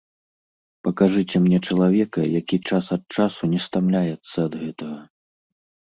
Пакажыце мне чалавека, які час ад часу не стамляецца ад гэтага?